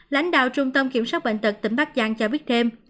lãnh đạo trung tâm kiểm soát bệnh tật tỉnh bắc giang cho biết thêm